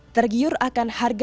tergiur akan harga